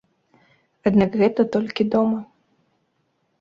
Аднак гэта толькі дома.